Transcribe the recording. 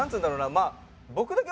まあ。